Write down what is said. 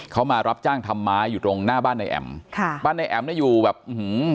เขามารับจ้างทำไม้อยู่ตรงหน้าบ้านในแอ๋มค่ะบ้านนายแอ๋มเนี่ยอยู่แบบอื้อหือ